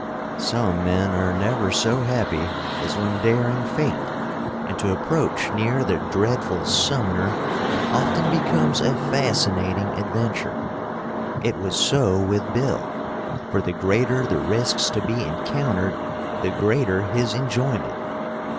Some men are never so happy as when daring fate, and to approach near the dreadful summoner often becomes a fascinating adventure. It was so with Bill, for the greater the risks to be encountered, the greater his enjoyment.